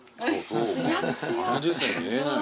７０歳に見えない。